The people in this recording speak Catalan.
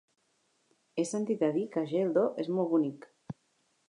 He sentit a dir que Geldo és molt bonic.